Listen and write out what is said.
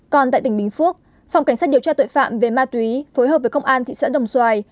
còn tại tỉnh bình phước phòng cảnh sát điều tra tội phạm về ma túy phối hợp với công an thị xã đồng xoài